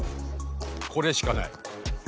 これしかない。